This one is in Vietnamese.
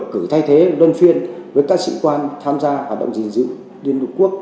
cử thay thế luân phiên với các sĩ quan tham gia hoạt động dình dữ liên hợp quốc